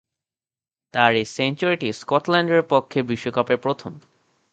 তার এ সেঞ্চুরিটি স্কটল্যান্ডের পক্ষে বিশ্বকাপে প্রথম।